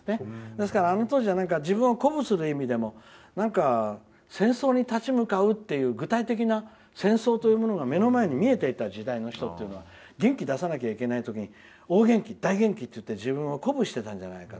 ですから、あの当時は自分を鼓舞する意味でも戦争に立ち向かうという具体的な戦争というものが目の前に見えていた時代の人は元気出さなきゃいけない時に大元気といって自分を鼓舞していたんじゃないか。